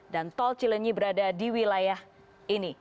dan tol cilinyi berada di wilayah ini